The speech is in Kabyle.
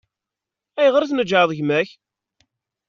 Ayɣer i tneǧǧɛeḍ gma-k?